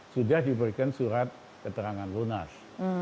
sudah diberikan surat keterangan lunas